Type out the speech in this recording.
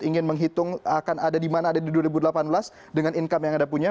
ingin menghitung akan ada di mana ada di dua ribu delapan belas dengan income yang anda punya